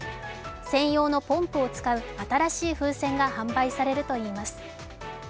専用のポンプを使う新しい風船が販売されるといいます。